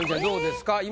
どうですか？